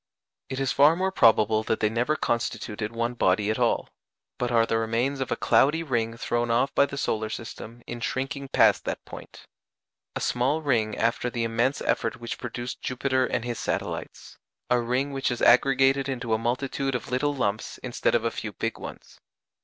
It is far more probable that they never constituted one body at all, but are the remains of a cloudy ring thrown off by the solar system in shrinking past that point: a small ring after the immense effort which produced Jupiter and his satellites: a ring which has aggregated into a multitude of little lumps instead of a few big ones.